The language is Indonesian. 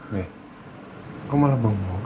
weh kok malah bengong